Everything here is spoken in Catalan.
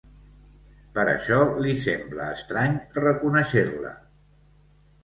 Per això li sembla estrany reconèixer-la.